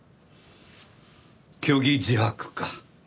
虚偽自白か。